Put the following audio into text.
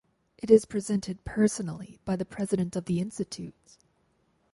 It is presented personally by the president of the Institute.